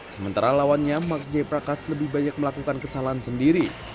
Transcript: sementara lawannya mark j prakas lebih banyak melakukan kesalahan sendiri